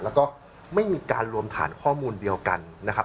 แล้วก็ไม่มีการรวมฐานข้อมูลเดียวกันนะครับ